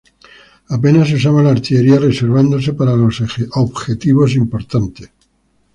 Apenas se usaba la artillería, reservándose para los objetivos importantes.